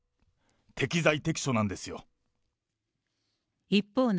適材適所なんですよ。